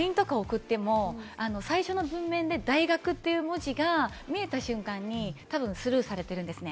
ＬＩＮＥとかを送っても、最初の文面で「大学」という文字が見えた瞬間にたぶんスルーされてるんですね。